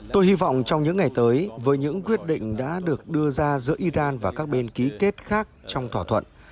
tôi hy vọng trong những ngày tới với những quyết định đã được đưa ra giữa iran và các bên ký kết khác trong thỏa thuận